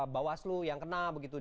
bawaslu yang kena begitu